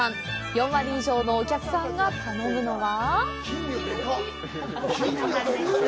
４割以上のお客さんが頼むのが？